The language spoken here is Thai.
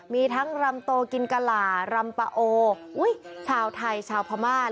มีทั้งรำโตกินกะหล่ารำปะโอชาวไทยชาวพม่า